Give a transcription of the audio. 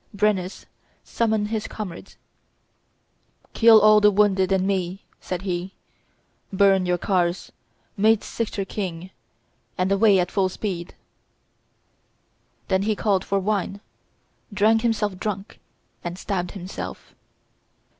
Brennus summoned his comrades "Kill all the wounded and me," said he; "burn your cars; make Cichor king; and away at full speed." Then he called for wine, drank himself drunk, and stabbed himself.